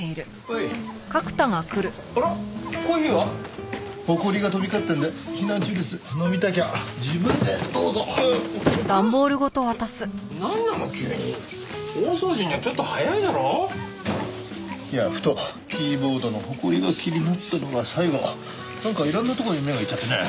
いやふとキーボードのほこりが気になったのが最後なんかいろんなとこに目がいっちゃってねえ。